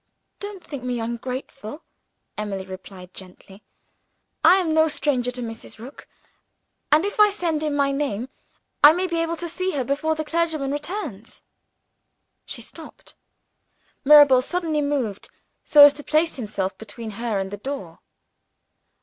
"Don't think me ungrateful," Emily replied gently. "I am no stranger to Mrs. Rook; and, if I send in my name, I may be able to see her before the clergyman returns." She stopped. Mirabel suddenly moved so as to place himself between her and the door.